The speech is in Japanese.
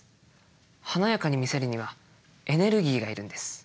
華やかに見せるにはエネルギーがいるんです。